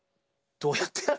どうやってやる？